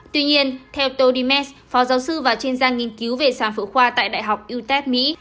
tuy nhiên theo toe dimes phó giáo sư và chuyên gia nghiên cứu về sản phụ khoa tại đại học utep mỹ